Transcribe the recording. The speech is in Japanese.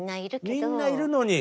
みんないるのに。